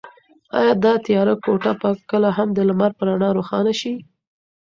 ایا دا تیاره کوټه به کله هم د لمر په رڼا روښانه شي؟